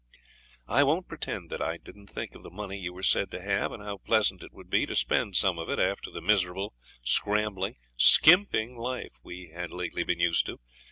I won't pretend that I didn't think of the money you were said to have, and how pleasant it would be to spend some of it after the miserable, scrambling, skimping life we had lately been used to.